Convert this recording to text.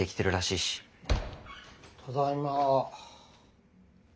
・ただいま。